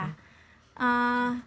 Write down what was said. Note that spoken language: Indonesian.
karena ada perubahan